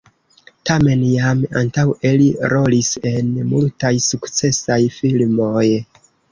Tamen jam antaŭe li rolis en multaj sukcesaj filmoj.